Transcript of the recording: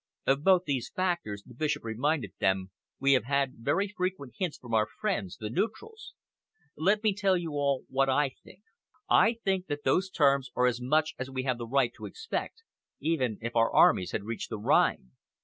"Of both these factors," the Bishop reminded them, "we have had very frequent hints from our friends, the neutrals. Let me tell you all what I think. I think that those terms are as much as we have the right to expect, even if our armies had reached the Rhine.